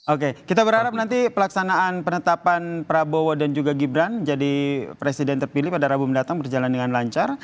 oke kita berharap nanti pelaksanaan penetapan prabowo dan juga gibran jadi presiden terpilih pada rabu mendatang berjalan dengan lancar